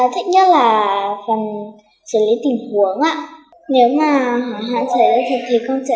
các em hương thú nhất là các em hương thú nhất